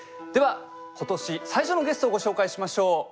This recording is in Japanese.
では今年最初のゲストをご紹介しましょう。